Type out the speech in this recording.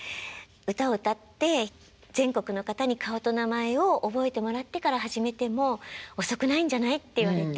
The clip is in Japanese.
「歌を歌って全国の方に顔と名前を覚えてもらってから始めても遅くないんじゃない？」って言われて。